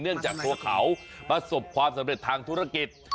จากตัวเขาประสบความสำเร็จทางธุรกิจ